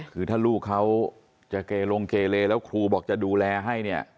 คือถ้าลูกเขาจะเกลงเกเลแล้วครูบอกจะดูแลให้เนี่ย